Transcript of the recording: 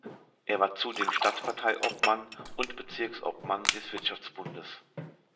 Er war zudem Stadtparteiobmann und Bezirksobmann des Wirtschaftsbundes.